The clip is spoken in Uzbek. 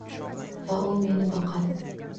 Va u meni boqadi.